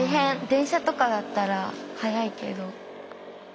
電車とかだったら速いけど。